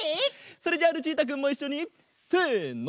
それじゃあルチータくんもいっしょにせの！